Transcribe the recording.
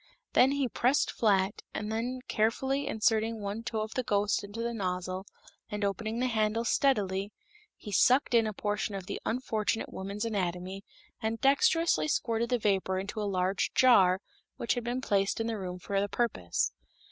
These he pressed flat, and then carefully inserting one toe of the ghost into the nozzle and opening the handles steadily, he sucked in a portion of the unfortunate woman's anatomy, and dexterously squirted the vapor into a large jar, which had been placed in the room for the purpose.